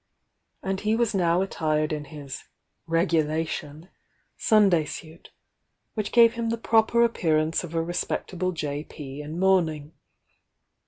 And he was now attired in his "regu lation" Sunday suit, which gave him the proper ap parance of a respectable J.P. in mourning.